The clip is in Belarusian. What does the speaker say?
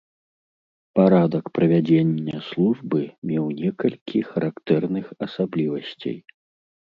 Парадак правядзення службы меў некалькі характэрных асаблівасцей.